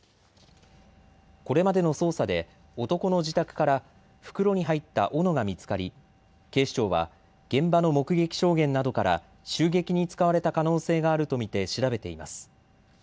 これまでの捜査で男の自宅から袋に入ったおのが見つかり警視庁は現場の目撃証言などから襲撃に使われた可能性があると見て調べています。